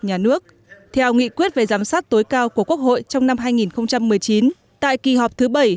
nhà nước theo nghị quyết về giám sát tối cao của quốc hội trong năm hai nghìn một mươi chín tại kỳ họp thứ bảy